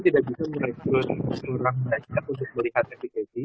kita tidak bisa merekrut seluruh rakyat untuk melihat efek krisi